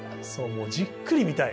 もうじっくり見たい。